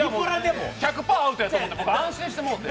１００％アウトやと思って俺、安心してもうて。